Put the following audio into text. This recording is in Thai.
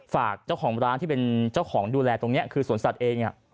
ฝากเจ้าของร้านที่เป็นเจ้าของดูแลตรงนี้คือสวนสัตว์เอง